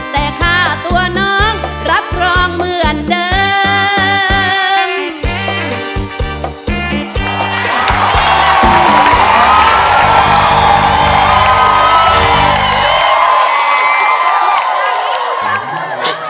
แต่ค่าตัวน้องรับรองเหมือนเดิม